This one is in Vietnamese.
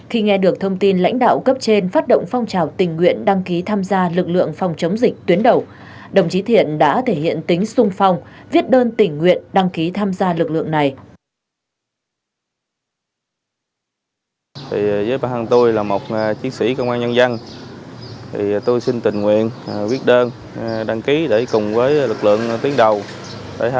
khi mà có nhiều công an viên bán chuyên trách tình nguyện đăng ký tham gia được nước này